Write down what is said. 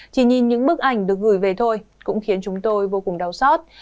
chỉ nhìn những bức ảnh được gửi về thôi cũng khiến chúng tôi vô cùng đau xót